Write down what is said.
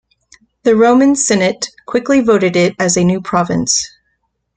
The Roman Senate quickly voted it as a new province.